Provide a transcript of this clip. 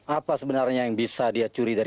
apa sebenarnya yang bisa dia curi dari